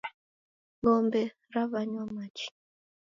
Ng'ombe rawanywa machi